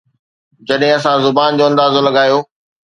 جڏهن اسان زيان جو اندازو لڳايو.